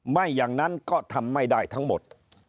ไม่อย่างนั้นก็ทำไม่ได้ทั้งหมด